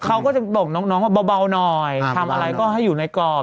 เขาก็จะบอกน้องน้องว่าเบาเบาหน่อยอ่าเบาเบาหน่อยทำอะไรก็ให้อยู่ในกรอบ